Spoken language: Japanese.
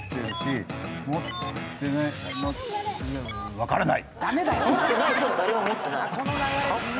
分からない。